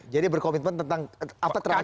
jadi berkomitmen tentang apa terakhir